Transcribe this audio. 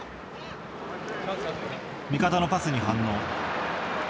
味方のパスに反応。